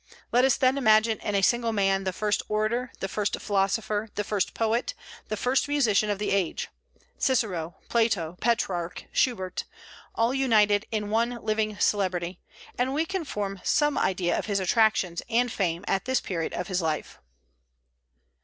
Let us imagine in a single man the first orator, the first philosopher, the first poet, the first musician of the age, Cicero, Plato, Petrarch, Schubert, all united in one living celebrity, and we can form some idea of his attractions and fame at this period of his life."